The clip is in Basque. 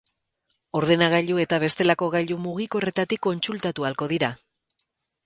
Ordenagailu eta bestelako gailu mugikorretatik kontsultatu ahalko dira.